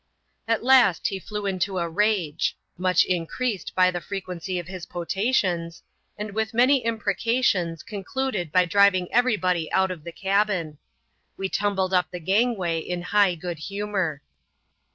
At last he flew into a rage — much increased by the fre quency of his potations — and with many imprecations, con cluded by driving every body out of the cabin. We tumbled up the gangway in high good humour.